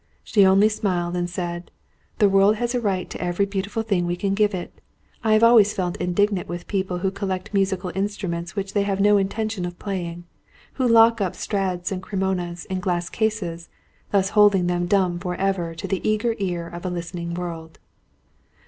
She only smiled and said: "The world has a right to every beautiful thing we can give it. I have always felt indignant with the people who collect musical instruments which they have no intention of playing; who lock up Strads and Cremonas in glass cases, thus holding them dumb for ever to the eager ear of a listening world."